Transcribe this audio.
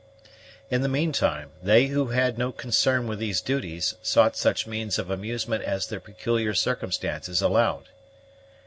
In the meantime, they who had no concern with these duties sought such means of amusement as their peculiar circumstances allowed.